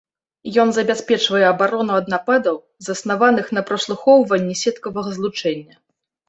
Ён забяспечвае абарону ад нападаў, заснаваных на праслухоўванні сеткавага злучэння.